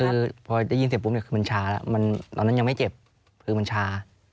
คือพอได้ยินเสร็จปุ๊บเนี่ยคือมันชาแล้วตอนนั้นยังไม่เจ็บคือมันชา